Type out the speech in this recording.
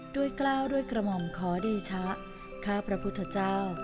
กล้าวด้วยกระหม่อมขอเดชะข้าพระพุทธเจ้า